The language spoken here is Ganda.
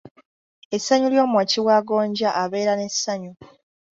Essanyu ly’omwoki wa gonja abeera n'essanyu.